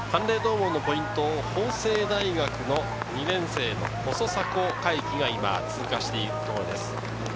嶺洞門のポイントを法政大学の２年生・細迫海気が通過しているところです。